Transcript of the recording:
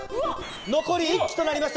残り１機となりました。